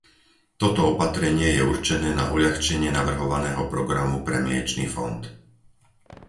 Toto opatrenie je určené na uľahčenie navrhovaného programu pre mliečny fond.